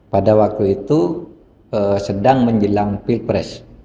pada waktu itu sedang menjelang pilpres